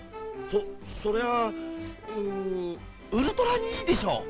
そそりゃあうウルトラにいいでしょう。